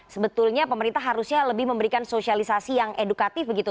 sebetulnya pemerintah harusnya lebih memberikan sosialisasi yang edukatif begitu